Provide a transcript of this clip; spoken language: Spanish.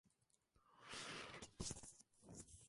No todos los miembros de la industria pertenecen a esta sociedad.